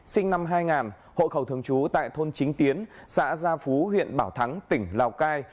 sinh năm hai nghìn hộ khẩu thường trú tại thôn chính tiến xã gia phú huyện bảo thắng tỉnh lào cai